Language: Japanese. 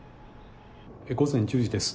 午前１０時です。